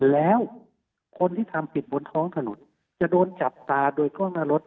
แล้วคนที่ทำผิดบนท้องถนนจะโดนจับตาโดยกล้องหน้ารถ